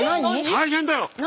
大変だよ！